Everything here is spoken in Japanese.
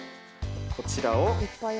こちらを。